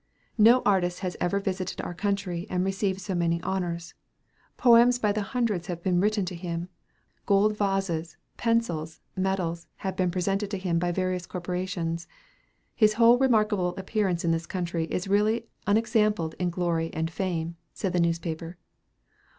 "No artist has ever visited our country and received so many honors. Poems by the hundreds have been written to him; gold vases, pencils, medals, have been presented to him by various corporations. His whole remarkable appearance in this country is really unexampled in glory and fame," said the same newspaper.